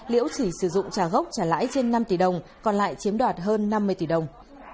liễu chỉ sử dụng trả gốc trả lãi trên năm tỷ đồng còn lại chiếm đoạt hơn năm mươi tỷ đồng